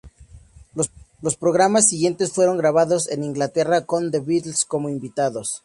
Los programas siguientes fueron grabados en Inglaterra con The Beatles como invitados.